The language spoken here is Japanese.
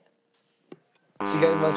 違います。